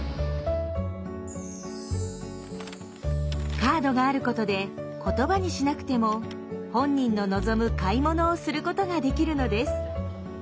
カードがあることで言葉にしなくても本人の望む買い物をすることができるのです。